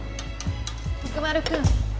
徳丸君。